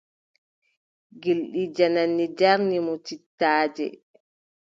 Gilɗi jannanni njarni mo cittaaje.